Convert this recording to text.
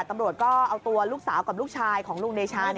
ตำรวจก็เอาตัวลูกสาวกับลูกชายของลุงเดชา